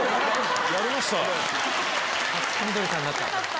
やりました。